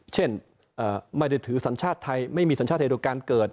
เช่นไม่ได้ถือสัญชาติไทยไม่มีสัญชาติไทยโดยการเกิด